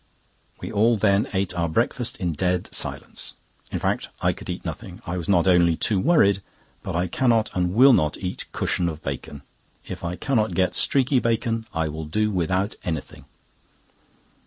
We all then ate our breakfast in dead silence. In fact, I could eat nothing. I was not only too worried, but I cannot and will not eat cushion of bacon. If I cannot get streaky bacon, I will do without anything.